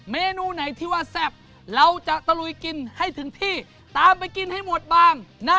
เมนูไหนที่ว่าแซ่บเราจะตะลุยกินให้ถึงที่ตามไปกินให้หมดบ้าง